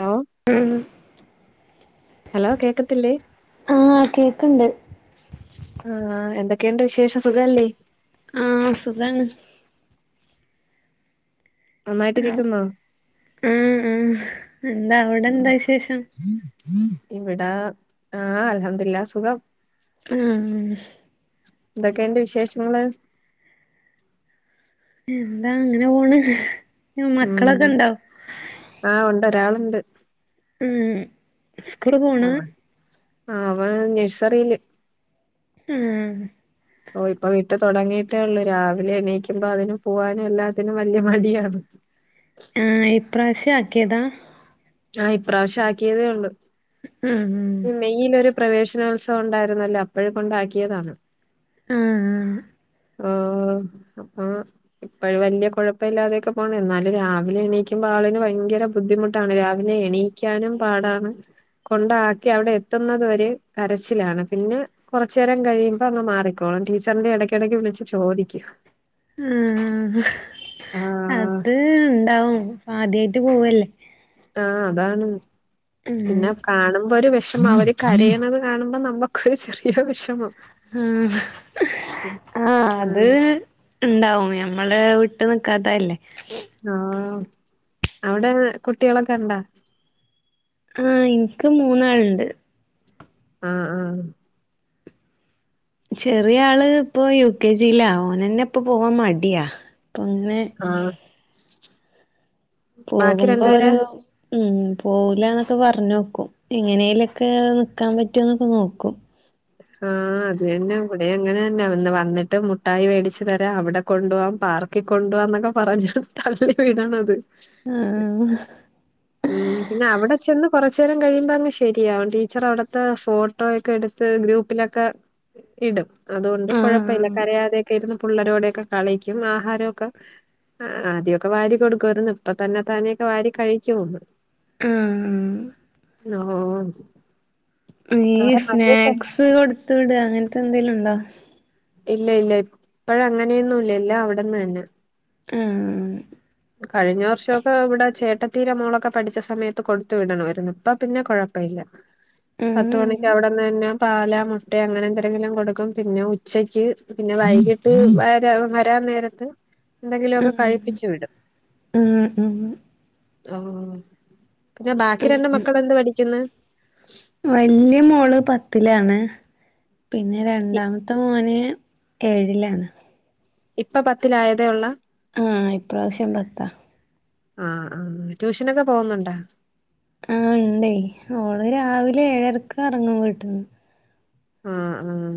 Hello ഉം hello കേക്കത്തില്ലേ ആഹ് കേക്ക്‌ണ്ട്. ആഹ് എന്തൊക്കെണ്ട് വിശേഷം സുഖല്ലേ ആഹ് സുഖാണ് ആഹ് നന്നായിട്ടിരിക്ക്‌ന്നോ ആഹ് എന്താ അവിടെ എന്താ വിശേഷം ഉം ഇവ്ടെ ആഹ് അൽഹംദില്ലാ സുഖം ആഹ് എന്തൊക്കെണ്ട് വിശേഷങ്ങള് എന്താ ഇങ്ങനെ പോണ് ഉം മക്കളൊക്കെ ഇണ്ടോ ആഹ് ഉണ്ട് ഒരാള്ണ്ട് ഉം സ്കൂള് പോണ് ആഹ് അവൻ നേഴ്സറില് ഉം ഓ ഇപ്പൊ വിട്ട് തൊടങ്ങിട്ടേ ഒള്ളു രാവിലെ എണീക്കുമ്പ അതിന് പോവാനും എല്ലാത്തിനും വല്ല്യ മടിയാണ് ആഹ് ഇപ്രാശ്യാക്കിയതാ ആഹ് ഇപ്രാശ്യം ആക്കിയതേഒള്ളൂ ഉം ഉം ഈ ന്നൊരു പ്രവേശനോത്സവം ഉണ്ടായിര്ന്നല്ലോ അപ്പഴേ കൊണ്ടാക്കിയതാണ്. ഉം ഉം ഓഹ് അ ഇപ്പഴ് വല്യ കൊഴപ്പല്ല്യാതെയൊക്കെ പോണ് എന്നാലും രാവിലെ എണീക്കുമ്പൊ ആളിന് ഭയങ്കര ബുദ്ധിമുട്ടാണ് രാ പിന്നെ എണീക്കാനും പാടാണ്. കൊണ്ടാക്കി അവിടെ എത്തുന്നത് വരെ കരച്ചിലാണ് പിന്നെ- കൊറച്ചേരം കഴിയുമ്പ അങ്ങ് മാറിക്കോളും ടീച്ചറിന്റെ എടക്കെടക്ക് വിളിച്ചു ചോദിക്കും. ഉം ഹ് ആഹ് അത് ഇണ്ടാവും ആദ്യായിട്ട് പോവല്ലേ. ആഹ് അതാണ്. ഉം. പിന്നെ കാണുമ്പൊര് വെഷമം അവര് കരയണത് കാണുമ്പോ നമ്മക്കൊര് ചെറിയ വെഷമം. ആഹ് ആഹ് അത്. ഇണ്ടാവും ഞമ്മള് വിട്ട് നിക്കാത്തല്ലേ. ആഹ് അവടെ കുട്ട്യോളക്കണ്ടാ. ആഹ് ഇൻക്ക് മൂന്നാൾണ്ട്. ആഹ് ആഹ് ചെറിയാള് പ്പൊ യു കെ ജിലാ ഓനെന്നെ ഇപ്പൊ പോവാൻ മടിയാ പ്പൊ ങ്ങനെ ആഹ് ബാക്കി പോകുമ്പൊരു. രണ്ടുപേരെ ഉം പോവൂലാന്നൊക്കെ പറഞ്ഞോക്കും എങ്ങനേലൊക്കെ നിക്കാൻ പറ്റോ ന്നൊക്കെ നോക്കും. ആഹ് അത് അന്നെ ഇവടെ അങ്ങനെന്ന വന്നിട്ട് മുട്ടായി വെടിച്ച്തരാ അവടെ കൊണ്ടോവാം പാർക്കികൊണ്ടവാന്നൊക്കെ പറഞ്ഞ തള്ളി വിടണത്. അ ആഹ്. [inaudible] ഉം പിന്നെ അവിടെ ചെന്ന് കോറച്ചേരം കഴിയുമ്പങ്ങ് ശരിയാവും ടീച്ചർ അവട്ത്തെ ഫോട്ടോയൊക്കെ എടു ത്ത് ഗ്രൂപ്പിലൊക്കെ ഇടും അതുകൊണ്ട് കുഴപ്പയില്ല ആഹ് കരയാതെക്കെ ഇരുന്നു പുള്ളരോടെക്കെ കളിക്കും ആഹാരോക്കെ അ ആദ്യോക്കെ വാരി കൊടുക്കാരുന്നു ഇപ്പൊ തന്നെ താനെയൊക്കെ വാരി കഴിക്കുന്ന്. ആ ഹ് ലോഞ്ച്. ഈ സ്നാക്സ് കൊട്ത്ത് വിട അങ്ങൻത്തെ എന്തേലും ഉണ്ടോ.? ഇല്ല ഇല്ല ഇപ്പഴ ങ്ങനെയൊന്നുല്ല എല്ലാം അവടന്ന് അന്നെ. ഏഹ് [inaudible] കഴിഞ്ഞ വർഷൊക്കെ ഇവടെ ചേട്ടത്തീര മോളൊക്കെ പഠിച്ച സമയത്ത് കൊടുത്തു വിടണമായിരുന്നു ഇപ്പ പിന്നെ കൊഴ പ്പയില്ല പത്തുമണിക്ക് ആഹ് അവിടെന്നന്നെ പാല മുട്ട അങ്ങനെ എന്തെരങ്കിലും കൊടുക്കും പിന്നെ ഉ ച്ചക്ക് പിന്നെ വൈകിട്ട് വരാ വരാൻ നേരത്ത്. എന്തെങ്കിലൊക്കെ ആഹ് കഴിപ്പിച്ച് വിടും ആഹ് ആഹ് ഓഹ്. പിന്നെ ബാക്കി രണ്ട് മക്കളെന്ത് പഠിക്ക്ന്ന്. വല്യ മോള് പത്തിലാണ് പിന്നെ രണ്ടാമത്തെ മോന്- ഏഴിലാണ്. ഇപ്പ പത്തിലായതേ ഉള്ള. ആഹ് ഇപ്രാവശ്യം പത്താ. ആഹ് ആഹ് ട്യൂഷനൊക്കെ പോകുന്നുണ്ടാ. ആഹ് ഇണ്ടേ ഓള് രാവിലെ ഏഴരക്കറങ്ങും വീട്ട്ന്നെ. ആഹ് ആഹ്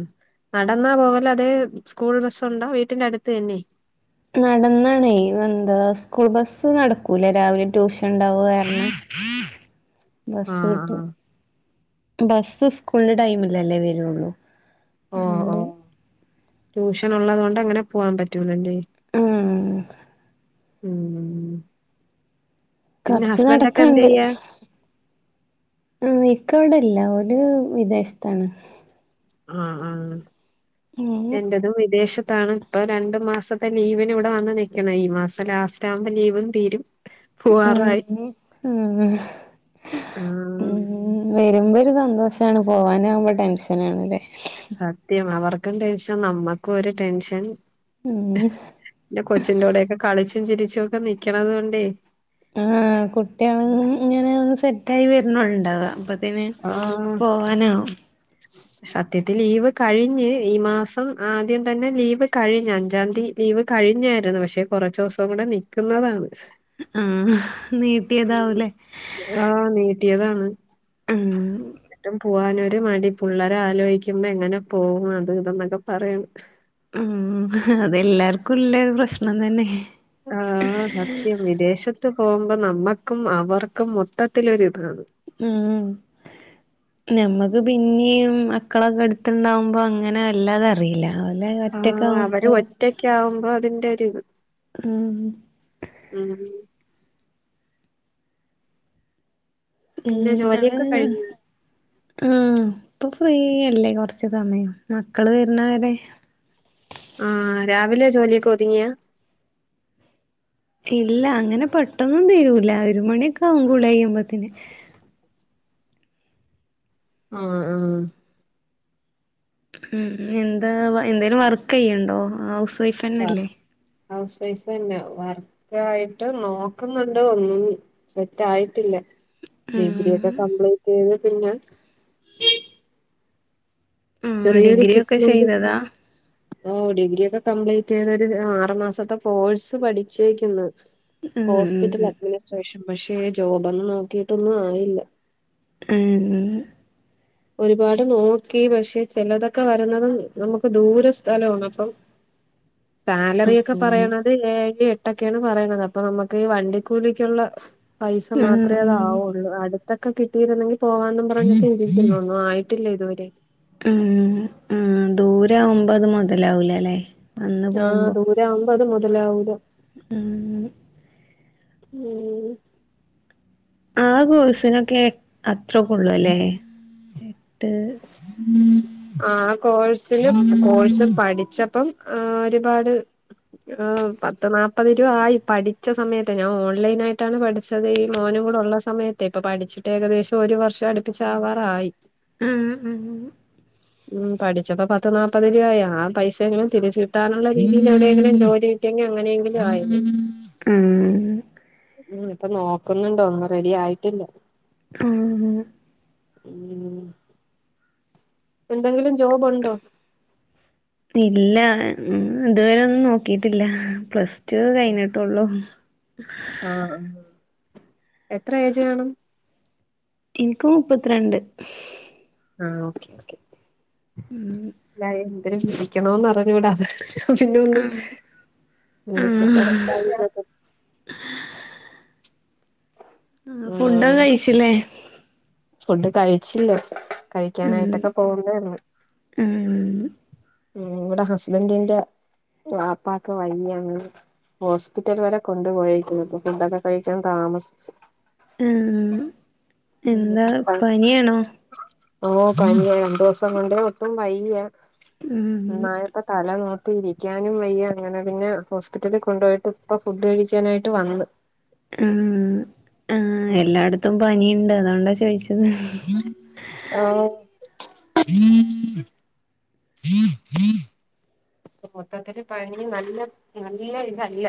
നടന്നാ പോവലത് സ്കൂൾ ബസ്സുണ്ടോ വീട്ടിന്റെ അടുത്ത് തന്നെ. ന്നടന്നാണെ വ എന്താ സ്കൂൾ ബസ്സ് നടക്കൂല രാവിലെ ട്യൂഷൻ ണ്ടാവാര്നം [unintelligible] ബസ് ക്ട്ടും ആഹ് ബസ് സ്കൂൽന്റെ ടൈമിലല്ലേ വരുള്ളു. ഓ ആഹ് ഓ ണ്ട്. ട്യൂഷൻ ഉള്ളത് കൊണ്ടങ്ങനെ പൂവാൻ പറ്റൂലല്ലേ. ഉം. ഉം. പിന്നെ കൊറച് ഹസ്ബൻഡ് ഒക്കെ എന്ത് നടക്കാണ്ട്. ചെയ്യാ ഉം ഇക്കവടല്ല ഓര് വിദേശത്താണ്. ആഹ് ആഹ് ഉം എന്റതും വിദേശത്താണ്. ഇപ്പൊ രണ്ടു മാസത്തെ ലീവിന് ഇവടെ വന്ന് നിക്കണ ഈ മാസം ലാസ്റ്റ് ആവുമ്പോ ലീവും തീരും. പൂവാറായി ആഹ് ആഹ് ആഹ്. ഉം വെരുമ്പോരു സന്തോഷാണ് പോവാനാകുമ്പോ ടെൻഷനാണല്ലേ. സത്യം അവർക്കും ടെൻഷൻ നമ്മക്കും ഒരു ടെൻഷൻ. ഉം. ന്റ കൊച്ചിന്റോടെക്കെ കളിച്ചും ചിരിച്ചും ഒക്കെ നിക്കണത്കൊണ്ടേ. ആഹ് കുട്ട്യേളും ഇങ്ങനെ സെറ്റായി വരണുണ്ടാവ അപ ആഹ്. സത്യത്തി ലീവ് കഴിഞ്ഞ് ഈ മാസം ആദ്യം തന്നെ ലീവ് കഴിഞ്ഞ് അഞ്ചാംതി ലീവ് കഴിഞ്ഞാരുന്നു പക്ഷെ കൊറച്ചൂസം കൂടെ നിക്കുന്നതാണ്. ആഹ് നീട്ടിയതാവൂലേ. ആഹ് നീട്ടിയതാണ്. ഉം പൂവാനൊരു മടി പുള്ളേരെ അലോയ്ക്കുമ്പോ എങ്ങനെ പോവു അത് ഇതന്നൊക്കെ പറയ ഉം അതെല്ലാർക്കുംല്ല പ്രശ്നം തന്നെ. ആഹ്. ആഹ് സത്യം വിദേശത്ത് പോഉമ്പോ നമ്മക്കും അവർക്കും മൊത്തത്തിലോരിതാണ്. ഉം. ഞമ്മക്ക് പിന്യും മക്കളൊക്കെ എടുത്തണ്ടാവുമ്പോ അങ്ങനെ വല്ലാതെ അറീല്ല. ആഹ് അവര് ഒറ്റക്കാവുമ്പോ അതിന്റെ ഒരിത്. ഉം. ഉം. പിന്നെ ജോലിയൊക്കെ ങ്ങള് കഴിഞ്ഞോ ഉം പ്പൊ ഫ്രീയല്ലേ കൊറച് സമയം മക്കള് വരുന്നവരെ. ആഹ് രാവിലെ ജോലിയൊക്കെ ഒതുങ്ങിയാ. ഇല്ല അങ്ങനെ പെട്ടന്നും തീരൂല ഒരു മണിയൊക്കെ ആവും കുള്യയ്യുമ്പോത്തിന്. ആഹ് ആഹ്. ഉം എന്താ എന്തേലും വർക്കെയ്യ്ണ്ടോ ഹൗസ് വൈഫെന്നല്ലേ. വർക്ക് ഹൗസ് വൈഫന്ന വർക്കായിട്ട് നോക്കുന്നുണ്ട് ഒന്നും. സെറ്റായിട്ടില്ല ഡിഗ്രി ഒക്കെ ഉം കംപ്ലീറ്റ് ചെയ്ത് പിന്നെ. ആഹ് ചെറിയൊരു ഡിഗ്രി സിക്സ് ഒക്കെ മന്ത്‌ ചെയ്തതാ ഓഹ് ഡിഗ്രി ഒക്കെ കംപ്ലീറ്റ് ചെയ്തൊരു ആറു മാസത്തെ കോഴ്സ് പഠിച്ചേക്കുന്നു. ഉം ഹോസ്പിറ്റൽ അഡ്മിനിസ്ട്രേഷൻ പക്ഷെ ജോബോന്നും നോക്കിയിട്ടൊന്നും ആയില്ല. ഊം ഒരുപാട് നോക്കി പക്ഷെ ചെലതൊക്കെ വര്ന്നത് നമുക്ക് ദൂര സ്ഥലാണ് അപ്പം സാലറി ഒക്കെ ഉം പറയണത് ഏഴ് എ ട്ടൊക്കെയാണ് പറയണത് അപ്പ നമുക്ക് ഈ വണ്ടിക്കൂലിക്കുള്ള പൈസ മാത്രമേ ആഹ് അതാവുള്ളൂ അടു ത്തൊക്കെ കിട്ടീരുന്നെങ്കി പോകാന്നും പറഞ് ഇപ്പം ഇരിക്കുന്നെ ഒന്നും ആയിട്ടില്ല ഇതുവരെ. ഉം ഉം ദൂരാവുമ്പം അത് മൊതലാവൂല ലെ. ആഹ് ദൂരാവുമ്പത് മൊതലാവൂല. ഉം. ഉം. ആ കോഴ്സിനൊക്കെ എ അത്രക്കൊള്ളുല്ലേ എട്ട് ആ കോഴ്സിന് കോഴ്സ് പഠിച്ചപ്പം ആഹ് ഒരുപാട്. ആഹ് പത്ത് നാപ്പത് രൂപ ആയി പഠിച്ച സമയത്ത ഞാൻ ഓൺലൈൻായിട്ടാണ് പഠിച്ചെ അതേയ് ഈ മോനും കൂടെ ഉള്ള സമയത്തെ ഇപ്പൊ പഠിച്ചിട്ട് ഏകദേശം ഒരു വർഷം അടുപ്പിച്ചാവാറായി. ആഹ് ഉം ഉം ഉം ഉം പഠിച്ചപ്പോ പത്ത് നാല്പ്പത് രൂപ ആയി ആ പൈസയെങ്കിലും തിരിച്ച് കിട്ടാനുള്ള രീതിൽ ആണ് എവിടെങ്കിലും ജോലി. ട്ടിയെങ്കി അങ്ങനെയെങ്കിലും ആയത് ഉം ഉം ഇപ്പൊ നോക്കുന്നുണ്ട് ഒന്നും റെഡി ആയിട്ടില്ല. ആഹ് ഉം എന്തെങ്കിലും ജോബ് ഉണ്ടോ? ഇല്ല ഉം ഇതുവരെ ഒന്നും നോക്കീട്ടില്ല പ്ലസ് ടു കഴിഞ്ഞിട്ടുള്ളൂ. ആഹ് ആഹ് എത്ര ഏജ് കാണും ഇൻക്ക് മുപ്പത്രണ്ട്. ആഹ് ഓക്കേ ഓക്കേ ഉം അല്ല എന്തര് വിക്കണോന്ന് അറിഞ്ഞൂടാ അതുകൊണ്ട് അതിന്റെ ഒന്നും ആഹ് [unintelligible] ആഹ് ഫുഡൊക്കെ ഉം കഴിച്ചില്ലേ? ഫുഡ് കഴിച്ചില്ല ഉം കഴിക്കാനായിട്ടൊക്കെ പോവുന്നേ ഒള്ളൂ ഉം ഉം ഇവടെ ഹസ്ബന്റിന്റെ വാപ്പാക്ക് വയ്യാ അങ്ങനെ ഹോസ്പിറ്റൽ വരെ കൊണ്ടുപോയേക്കുന്നു അപ്പൊ ഫുഡൊക്കെ കഴിക്കാൻ താമസിച്ചു. ഉം എന്താ പനിയാണോ? ഓഹ് പനിയാ ഇൻജെക്ഷൻ കൊണ്ട് വെച്ചു വയ്യ. ഉം നന്നായപ്പോ തല നോക്കി ഇരിക്കാനും വയ്യ അങ്ങനെ പിന്നെ ഹോസ്പിറ്റലിൽ കൊണ്ടുപോയിട്ട്. ഇപ്പൊ ഫുഡ് കഴിച്ചാനായിട്ട് വന്ന്. ഉം ആഹ് ഉം എല്ലാടത്തും പനിയുണ്ട് അതുകൊണ്ടാ ചോയ്ച്ചത്. ഓഹ് മൊത്തത്തില് പനി നല്ല നല്ല ഇതല്ല.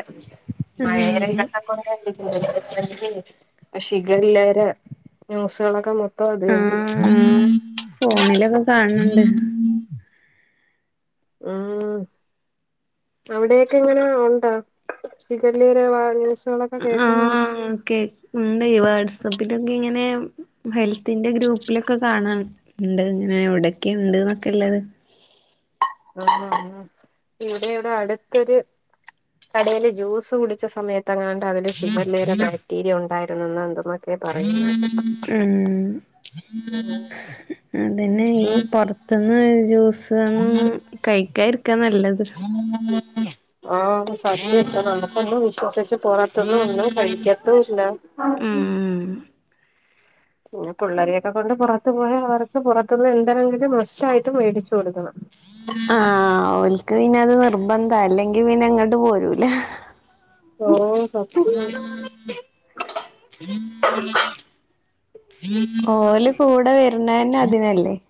ആഹ് [unintelligible] [unintelligible] ഷിഗല്ല വരെ ന്യൂസുകളൊക്കെ നോ ആഹ് ഫോണിലൊക്കെ കാണുന്നുണ്ട് [unintelligible] ആഹ് അവിടെക്കെ എങ്ങനാ ഉണ്ടാ ഷിഗല്ല [unintelligible] ന്യൂസ് ആഹ് ഓക്കെ ഉണ്ടെയ് വാട്സപ്പിലൊക്കെ ഇങ്ങനെ ഹെൽത്തിന്റെ ഗ്രൂപ്പിലൊക്കെ കാണാം ഉണ്ട് ഇങ്ങനെ എവിടൊക്കെ ഉണ്ട് എന്നൊക്കെള്ളത്. ആഹ് ആഹ് ആഹ് ഇവിടെ ഇവിടെ അടുത്തൊര്. കടയില് ജ്യൂസ് കുടിച്ച സമയത്തെങ്ങാണ്ട് അതില് ഷിഗല്ല യുടെ ബാക്ടീരിയ ഉണ്ടായിരുന്നുന്ന് എന്തോ ഒക്കെ പറയുന്നെ കേട്ട് ഉം ഉം ഉ അതന്നെ ഈ പൊറത്ത്ന്ന് ജ്യൂസൊന്നും. കഴിക്കാ ഇരിക്കാ നല്ലത്. ഉ ആഹ് അത് ശല്യം എത്ര ഉണ്ട് ഇപ്പം നമ്മള് വിശ്വസിച്ച് പൊറത്ത് നിന്ന് ഒന്നും കഴിക്കത്തുല്ല. [unintelligible] ഉം പിന്നെ പിള്ളരൊക്കെ കൊണ്ട് പുറത്തു പോയ അവർക്ക് പുറത്തുനിന്ന് എന്തെണെങ്കിലും മസ്റ്റ് ആയിട്ട് മേടിച്ചു കൊടുക്കണം. ഉം ഇൻക്ക് പിന്നെ അത് നിർബന്ധ അല്ലെങ്കിൽ പിന്നെ ഇങ്ങട്ട് പോരൂല. ഓഹ് സത്യാ ഓല് കൂടെ വെര്ണത് തന്നെ അതിനല്ലേ